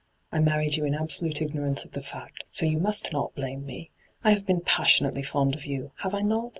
I married yon in absolute ignorance of the fact, so you must not blame me. I have been passionately fond of you — have I not